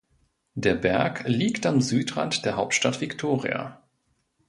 Der Berg liegt am Südrand der Hauptstadt Victoria.